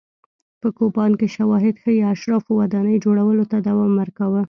په کوپان کې شواهد ښيي اشرافو ودانۍ جوړولو ته دوام ورکاوه.